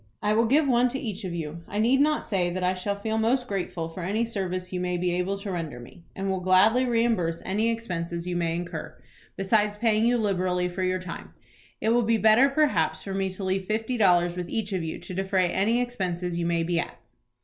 "I will give one to each of you. I need not say that I shall feel most grateful for any service you may be able to render me, and will gladly reimburse any expenses you may incur, besides paying you liberally for your time. It will be better perhaps for me to leave fifty dollars with each of you to defray any expenses you may be at."